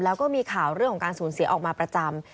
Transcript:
แล้วก็มีข่าวเรื่องของการสูญเสียออกมาประจำ